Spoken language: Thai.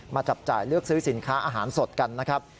จับจ่ายเลือกซื้อสินค้าอาหารสดกันนะครับ